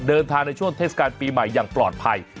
ในช่วงเทศกาลปีใหม่อย่างปลอดภัย